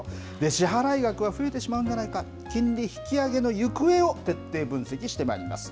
支払い額は増えてしまうんじゃないか、金利引き上げの行方を徹底分析してまいります。